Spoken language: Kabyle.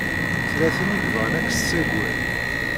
Tella tin i yebɣan ad k-tsaged.